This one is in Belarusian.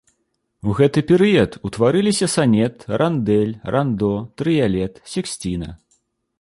У гэты перыяд утварыліся санет, рандэль, рандо, трыялет, сексціна.